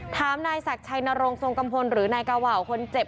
นายศักดิ์ชัยนรงทรงกัมพลหรือนายกาว่าวคนเจ็บ